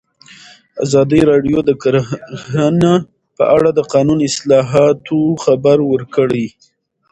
ازادي راډیو د کرهنه په اړه د قانوني اصلاحاتو خبر ورکړی.